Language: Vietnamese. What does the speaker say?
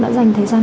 đã dành thời gian